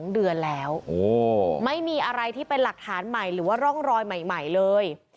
๒เดือนแล้วไม่มีอะไรที่เป็นหลักฐานใหม่หรือว่าร่องรอยใหม่เลย